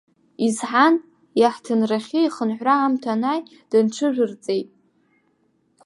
Изҳан, иаҳҭынрахьы ихынҳәра аамҭа анааи, дынҽыжәырҵеит.